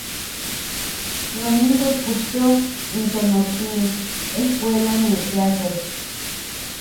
Lominkok kupteo into nottine ejkuelane teakai.